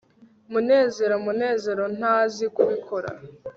munezero] munezero ntazi kubikora